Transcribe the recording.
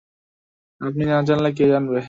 আপনি না জানলে কে জানবে?